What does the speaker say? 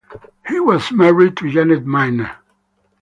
He was married to Janet Milne.